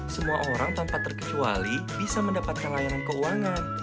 semua orang tanpa terkecuali bisa mendapatkan layanan keuangan